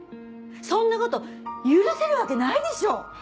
そんなこと許せるわけないでしょう！